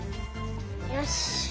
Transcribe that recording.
よし。